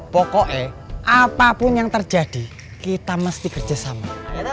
pokoknya apapun yang terjadi kita mesti kerja sama